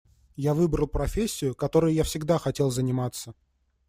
Я выбрал профессию, которой я всегда хотел заниматься.